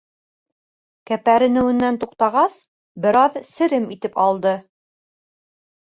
Кәпәренеүенән туҡтағас, бер аҙ серем итеп алды.